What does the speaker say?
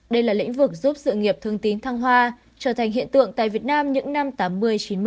đây là lĩnh vực giúp sự nghiệp thương tín thăng hoa trở thành hiện tượng tại việt nam những năm tám mươi chín mươi